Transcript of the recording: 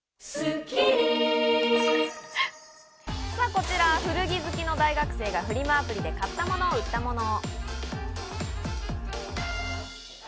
こちら古着好きの大学生がフリマアプリで買ったもの、売ったもの。